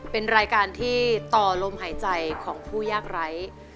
เป็นรายการที่ต่อลมหายใจของผู้ยากไร้